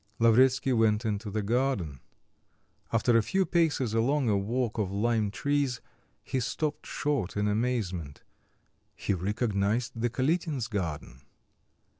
Lavretsky went into the garden. After a few paces along a walk of lime trees he stopped short in amazement; he recognised the Kalitins' garden.